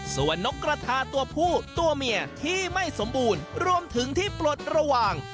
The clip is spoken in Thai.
ส่วนนกกระทาตัวผู้ตัวเมียที่ไม่สมบูรณ์รวมถึงที่ปลดระหว่าง